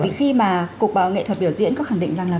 bởi vì khi mà cục bảo nghệ thuật biểu diễn có khẳng định rằng là